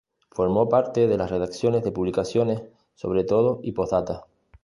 Formó parte de las redacciones de las publicaciones SobreTodo y Posdata.